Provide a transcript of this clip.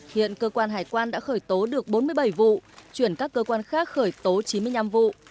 hiện cơ quan hải quan đã khởi tố được bốn mươi bảy vụ chuyển các cơ quan khác khởi tố chín mươi năm vụ